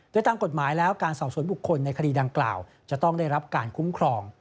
โดยตามกฎหมายแล้วการสอบสวนบุคคลในคดีดังกล่าวจะต้องได้รับการคุ้มครอง